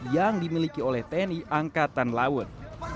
yang dimiliki oleh tni angkatan laut